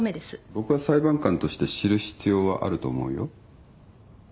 僕は裁判官として知る必要はあると思うよ。